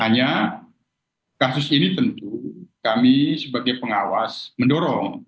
hanya kasus ini tentu kami sebagai pengawas mendorong